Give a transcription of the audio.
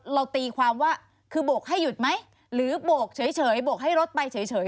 ตีความว่าคือโบกให้หยุดไหมหรือโบกเฉยโบกให้รถไปเฉย